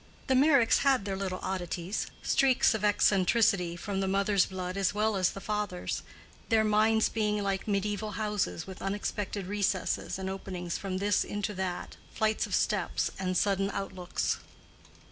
The Meyricks had their little oddities, streaks of eccentricity from the mother's blood as well as the father's, their minds being like mediæval houses with unexpected recesses and openings from this into that, flights of steps and sudden outlooks.